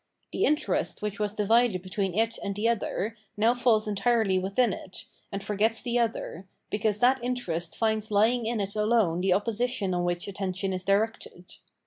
The interest which was divided between it and the other, now falls entirely within it, and forgets the other, because that interest finds lying in it alone the opposition on which attention is directed.